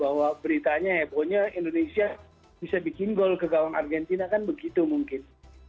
bahwa beritanya hebohnya indonesia bisa bikin gol ke gawang argentina kan begitu mungkin